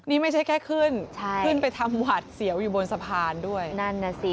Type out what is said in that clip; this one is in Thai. นี่ไม่ใช่แค่ขึ้นใช่ขึ้นไปทำหวัดเสียวอยู่บนสะพานด้วยนั่นน่ะสิ